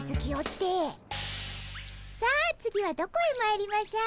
さあ次はどこへまいりましょう？